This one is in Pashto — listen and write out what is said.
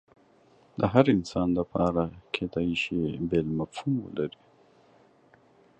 د هر انسان لپاره کیدای شي بیل مفهوم ولري